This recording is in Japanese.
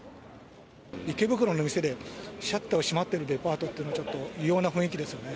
池袋の店でシャッターが閉まってるデパートっていうのは、ちょっと異様な雰囲気ですよね。